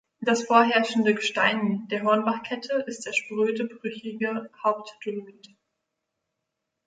Das vorherrschende Gestein der Hornbachkette ist der spröde, brüchige Hauptdolomit.